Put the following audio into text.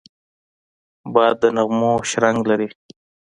باد د نغمو شرنګ لري